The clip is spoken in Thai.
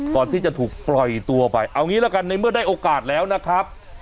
ก่อนที่จะถูกปล่อยตัวไปเอางี้ละกันในเมื่อได้โอกาสแล้วนะครับ